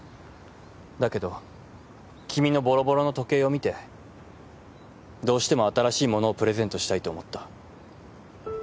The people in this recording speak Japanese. だけど君のぼろぼろの時計を見てどうしても新しい物をプレゼントしたいと思った。